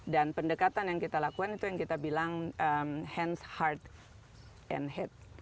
dan pendekatan yang kita lakukan itu yang kita bilang hands heart and head